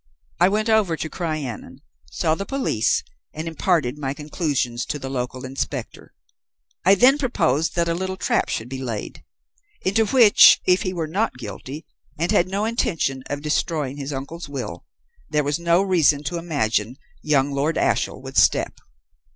I went over to Crianan, saw the police, and imparted my conclusions to the local inspector. I then proposed that a little trap should be laid, into which, if he were not guilty and had no intention of destroying his uncle's will, there was no reason to imagine young Lord Ashiel would step.